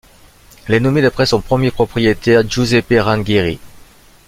Elle est nommée d'après son premier propriétaire, Giuseppe Rangheri.